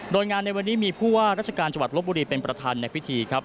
โดยงานในวันนี้มีผู้ว่าราชการจังหวัดลบบุรีเป็นประธานในพิธีครับ